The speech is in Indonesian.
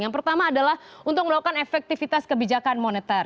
yang pertama adalah untuk melakukan efektivitas kebijakan moneter